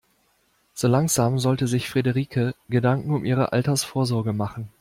So langsam sollte sich Frederike Gedanken um ihre Altersvorsorge machen.